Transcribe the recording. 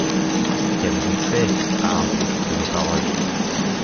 Qu’avez-vous fait, arbres, de nos paroles?